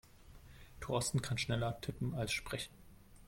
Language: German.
Thorsten kann schneller tippen als sprechen.